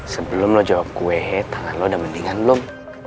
sebelum lo jawab gue tangan lo udah mendingan lum